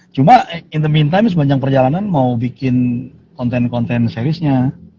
cuma in the meantime sepanjang perjalanan mau bikin konten konten serisnya